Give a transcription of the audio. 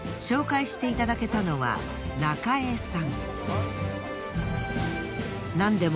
紹介していただけたのはナカエさん。